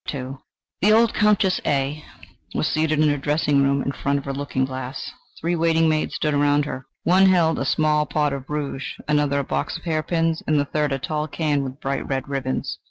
II The old Countess A was seated in her dressing room in front of her looking glass. Three waiting maids stood around her. One held a small pot of rouge, another a box of hair pins, and the third a tall can with bright red ribbons.